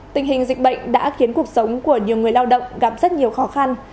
tình hình dịch bệnh đã khiến cuộc sống của nhiều người lao động gặp rất nhiều khó khăn